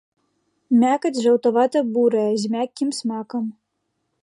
Мякаць жаўтавата-бурая з мяккім смакам.